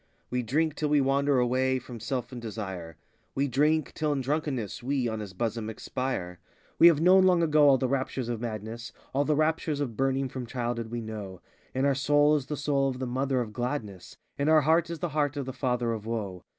We drink till we wander away from Self and Desire,— We drink till in drunkenness we, on his bosom, expire. 86 We have known long ago all the raptures of madness; All the raptures of burning from childhood we know; In our soul is the soul of the Mother of gladness; In our heart is the heart of the Father of woe.